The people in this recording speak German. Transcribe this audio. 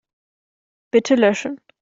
Bitte löschen.